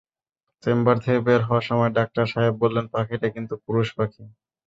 Chamber থেকে বের হওয়ার সময় ডাক্তার সাহেব বললেন, পাখিটা কিন্তু পুরুষ পাখি।